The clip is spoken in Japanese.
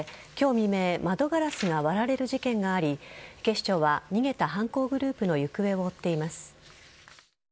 未明窓ガラスが割られる事件があり警視庁は逃げた犯行グループの行方を追っています。